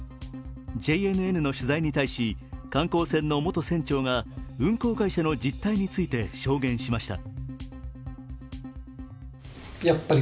ＪＮＮの取材に対し、観光船の元船長が運航会社の実態について証言しました。